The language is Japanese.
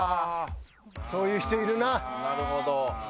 そういう人いるな。